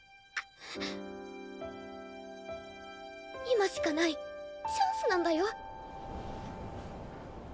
今しかないチャンスなんだよ？